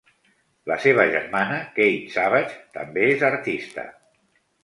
La seva germana, Kate Savage, també és artista.